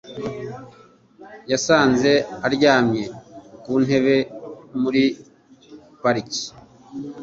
Yasanze aryamye ku ntebe muri parike.